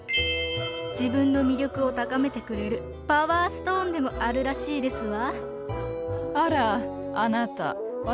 自分の魅力を高めてくれるパワーストーンでもあるらしいですわ。